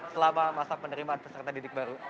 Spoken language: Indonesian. selama masa penerimaan peserta didik baru